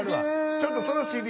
ちょっとそのＣＤ